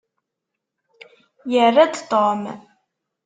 Yerra-d Tom.